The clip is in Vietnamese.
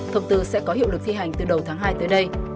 thông tư sẽ có hiệu lực thi hành từ đầu tháng hai tới đây